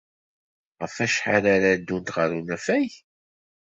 Ɣef wacḥal ara ddunt ɣer unafag?